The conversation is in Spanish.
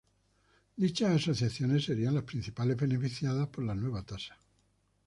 Dichas asociaciones serían las principales beneficiadas por la nueva tasa.